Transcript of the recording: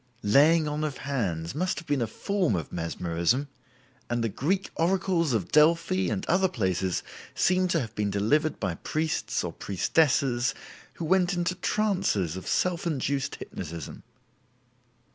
"Laying on of hands" must have been a form of mesmerism, and Greek oracles of Delphi and other places seem to have been delivered by priests or priestesses who went into trances of self induced hypnotism.